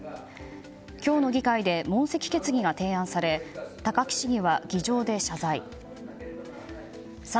今日の議会で問責決議が提案され高木市議は議場で謝罪。